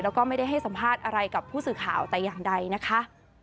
แล้วก็ไม่ได้ให้สัมภาษณ์อะไรกับผู้สื่อข่าวแต่อย่างใดนะคะ